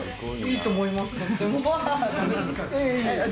いいと思います。